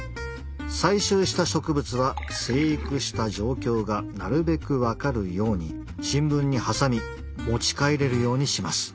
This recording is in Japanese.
採集した植物は生育した状況がなるべく分かるように新聞に挟み持ち帰れるようにします。